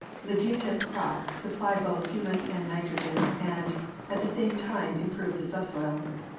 Leguminous crops supply both humus and nitrogen and, at the same time, improve the subsoil.